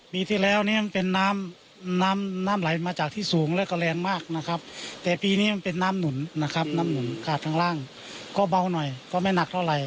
ปีที่แล้วเนี่ยมันเป็นน้ำน้ำน้ำไหลมาจากที่สูงแล้วก็แรงมากนะครับแต่ปีนี้มันเป็นน้ำหนุนนะครับน้ำหนุนขาดข้างล่างก็เบาหน่อยก็ไม่หนักเท่าไหร